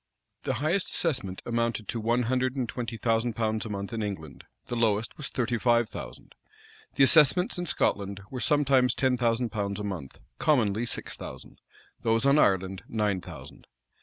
The highest assessment amounted to one hundred and twenty thousand pounds a month in England; the lowest was thirty five thousand. The assessments in Scotland were sometimes ten thousand pounds a month;[] commonly six thousand. Those on Ireland nine thousand.